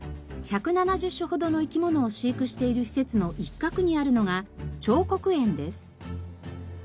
１７０種ほどの生き物を飼育している施設の一角にあるのが彫刻園です。